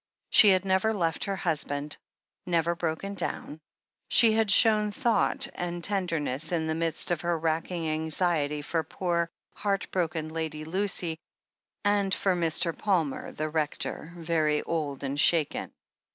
She had never left her husband, never broken down; she had shown thought and tenderness in the midst of her racking anxiety, for poor, heartbroken Lady Lucy and for Mr. Palmer, the Rector, very old and shaken.